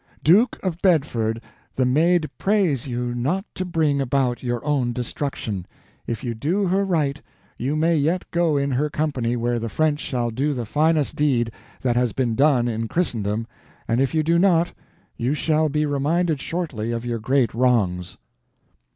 Duke of Bedford, the Maid prays you not to bring about your own destruction. If you do her right, you may yet go in her company where the French shall do the finest deed that has been done in Christendom, and if you do not, you shall be reminded shortly of your great wrongs.